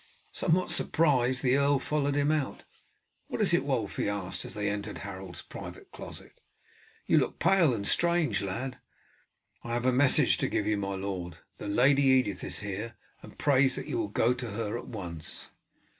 Somewhat surprised the earl followed him out. "What is it, Wulf?" he asked as they entered Harold's private closet. "You look pale and strange, lad." "I have a message to give you, my lord. The Lady Edith is here, and prays that you will go to her at once."